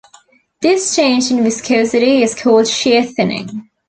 This change in viscosity is called shear thinning.